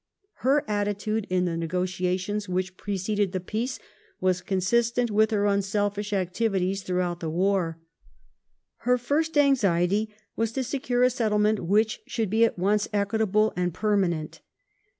Her attitude in the negotiations which preceded the peace was consistent with her unselfish activities throughout the war. Her fii*st anxiety was to secure a settlement which should be at once equitable and permanent.